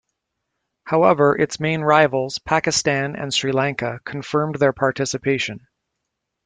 However, its main rivals, Pakistan and Sri Lanka, confirmed their participation.